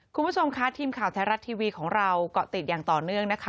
คุณผู้ชมค่ะทีมข่าวไทยรัฐทีวีของเราเกาะติดอย่างต่อเนื่องนะคะ